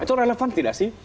itu relevan tidak sih